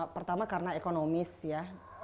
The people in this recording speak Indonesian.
pertama karena ekonomis ya